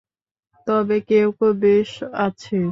তবে কেউ কেউ বেশ আছে।